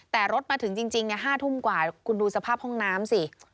แต่รถมาถึงจริง๕ทุ่มกว่าคุณดูสภาพห้องน้ำสิ